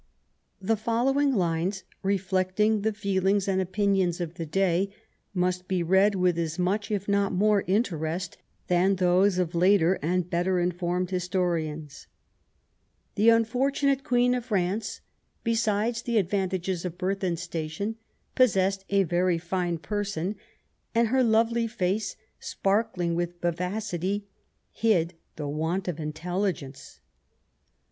The following lines, reflecting the feelings and opinions of the day, must be read with as much, if not more interest than those of later and better informed historians :— The unfortunate Queen of France, beside the advantages ol birth and station, possessed a very fine person ; and her lovely face, spark ling with vivacity, hid the want of intelligence.